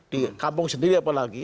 di kampung sendiri apalagi